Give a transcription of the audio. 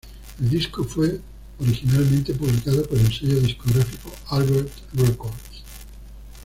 El disco fue originalmente publicado por el sello discográfico Albert Records.